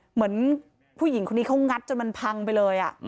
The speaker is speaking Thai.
เหมือนผู้หญิงคนนี้เขางัดจนมันพังไปเลย